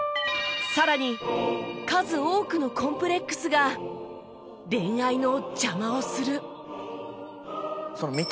更に数多くのコンプレックスが恋愛の邪魔をする